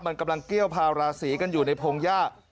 มันกำลังเกี้ยวพาราศีกันอยู่ในพงหญ้า